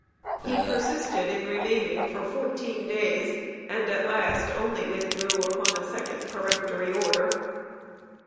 He persisted in remaining for fourteen days, and at last only withdrew upon a second peremptory order.